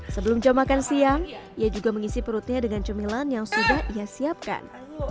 sebelum jam makan siang ia juga mengisi perutnya dengan cemilan yang sudah ia siapkan